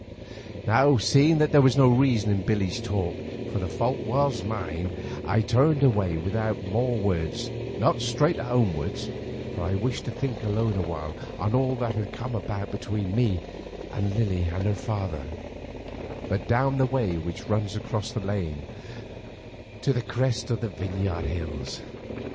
Now, seeing that there was reason in Billy's talk, for the fault was mine, I turned away without more words, not straight homewards, for I wished to think alone awhile on all that had come about between me and Lily and her father, but down the way which runs across the lane to the crest of the Vineyard Hills.